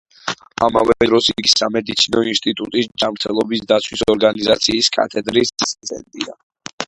ამავე დროს იგი სამედიცინო ინსტიტუტის ჯანმრთელობის დაცვის ორგანიზაციის კათედრის ასისტენტია.